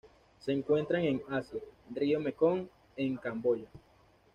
Se encuentran en Asia: río Mekong en Camboya.